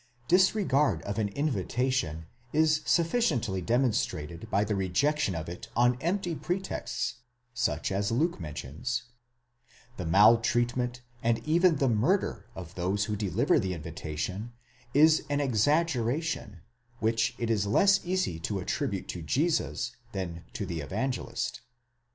Disregard of an invitation is sufficiently demon strated by the rejection of it on empty pretexts such as Luke mentions; the maltreatment and even the murder of those who deliver the invitation, is an exaggeration which it is less easy to attribute to Jesus than to the Evangelist.